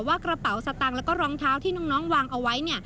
ว่ากระเป๋าสตางค์แล้วก็รองเท้าที่น้องวางเอาไว้